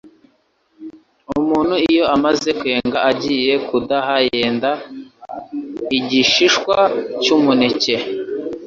Umuntu iyo amaze kwenga agiye kudaha, yenda igishishwa cy’umuneke,